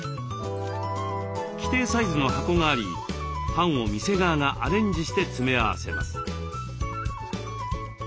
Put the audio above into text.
既定サイズの箱がありパンを店側がアレンジして詰め合わせます。